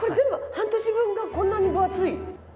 半年分がこんなに分厚い。